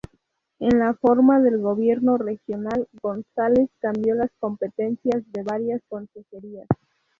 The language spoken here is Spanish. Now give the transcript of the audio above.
En la reforma del Gobierno regional, González cambió las competencias de varias consejerías.